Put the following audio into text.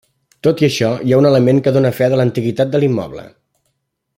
Tot i això hi ha un element que dóna fe de l'antiguitat de l'immoble.